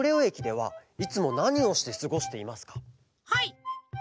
はい。